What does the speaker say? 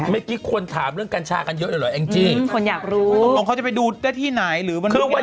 ไม่คิดควรถามเรื่องกัญชากันเยอะหรอคนอยากรู้เขาจะไปดูได้ที่ไหนหรือวัน